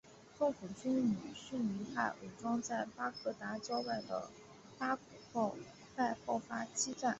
政府军与逊尼派武装在巴格达郊外的巴古拜爆发激战。